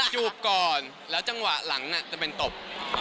จูบก่อนแล้วจังหวะหลังจะเป็นตบ